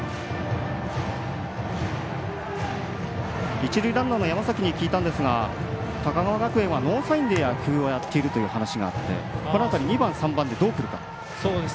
一塁ランナーの山崎に聞いたんですが高川学園はノーサインで野球をやっているという話がありこのあと２番３番でどうくるか。